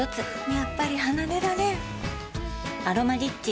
やっぱり離れられん「アロマリッチ」